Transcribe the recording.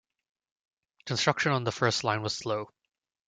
Construction of the first line was slow.